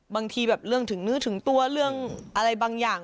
บางทีแบบเรื่องถึงเนื้อถึงตัวเรื่องอะไรบางอย่าง